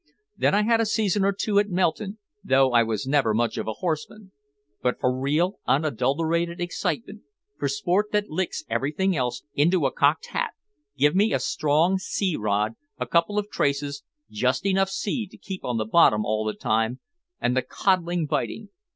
Then I had a season or two at Melton, though I was never much of a horseman. But for real, unadulterated excitement, for sport that licks everything else into a cocked hat, give me a strong sea rod, a couple of traces, just enough sea to keep on the bottom all the time, and the codling biting.